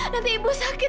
nanti ibu sakit